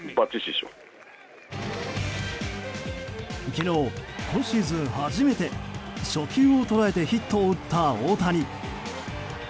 昨日、今シーズン初めて初球を捉えてヒットを打った大谷。